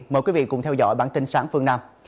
mời quý vị cùng theo dõi bản tin sáng phương nam